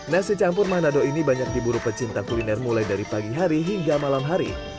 nasi campur manado ini banyak diburu pecinta kuliner mulai dari pagi hari hingga malam hari